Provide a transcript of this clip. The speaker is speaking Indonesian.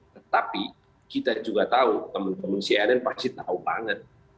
tetapi kita juga tahu teman teman cnn pasti tahu banget